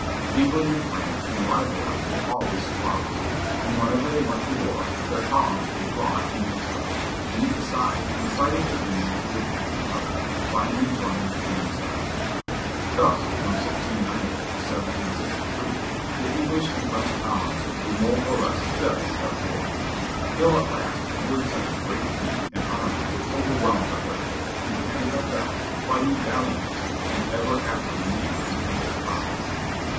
Eng land and France in rivalry were always squabbling, and whenever they went to war their colonists were drawn into the fight, and each side incited the Indians to attack the other, finally joining in themselves. Thus from 1 690 to 1 763 the English and French colonists were more or less steadily at war. Till at last England sent a great fleet and army which overwhelmed the French. And Canada fell, fighting valiantly, and ever after remained an English province.